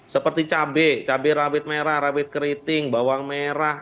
seperti cabai cabai rabit merah rabit keriting bawang merah